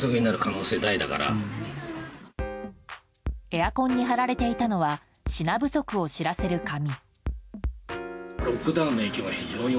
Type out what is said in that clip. エアコンに貼られていたのは品不足を知らせる紙。